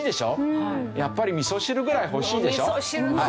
やっぱりみそ汁ぐらい欲しいでしょ？